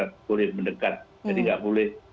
boleh mendekat jadi tidak boleh